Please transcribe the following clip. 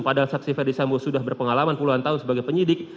padahal saksifer disambung sudah berpengalaman puluhan tahun sebagai penyidik